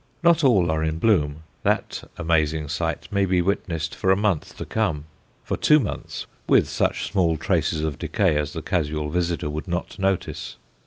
Not all are in bloom; that amazing sight may be witnessed for a month to come for two months, with such small traces of decay as the casual visitor would not notice.